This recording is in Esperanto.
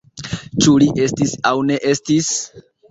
Ĉu li estis aŭ ne estis?